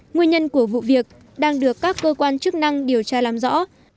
nguyên nhân của vụ việc đang được các cơ quan chức năng điều tra làm rõ